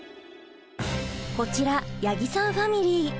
こちら八木さんファミリー。